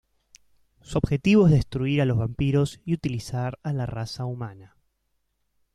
Su objetivo es destruir a los vampiros y utilizar a la raza humana.